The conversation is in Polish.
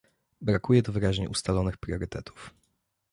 Brakuje tu wyraźnie ustalonych priorytetów